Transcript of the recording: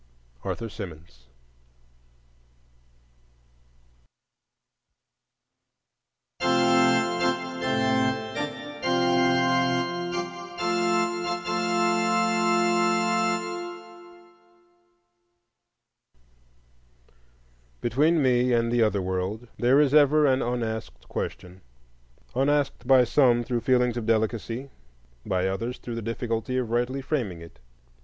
ARTHUR SYMONS. Between me and the other world there is ever an unasked question: unasked by some through feelings of delicacy; by others through the difficulty of rightly framing it.